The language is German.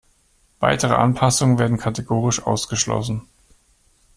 Weitere Anpassungen werden kategorisch ausgeschlossen.